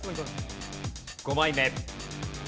５枚目。